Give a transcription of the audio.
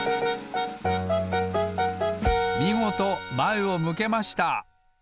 みごとまえを向けました！